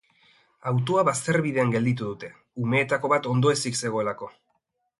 Autoa bazterbidean gelditu dute, umeetako bat ondoezik zegoelako.